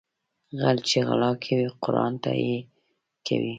غل چې غلا کوي قرآن ته يې کوي